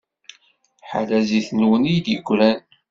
Ḥala zzit-nwen i d-yegran.